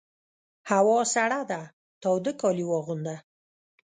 هوا سړه ده تاوده کالي واغونده!